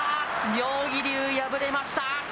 妙義龍、敗れました。